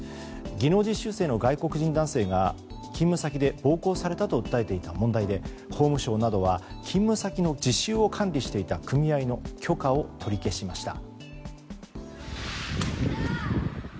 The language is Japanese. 技能実習生の外国人男性が勤務先で暴行されたと訴えていた問題で法務省などは勤務先の実習を管理していた組合の許可を取り消しました。